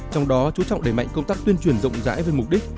trong đó chú trọng đẩy mạnh công tác tuyên truyền rộng rãi về mục đích